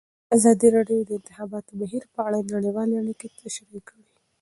ازادي راډیو د د انتخاباتو بهیر په اړه نړیوالې اړیکې تشریح کړي.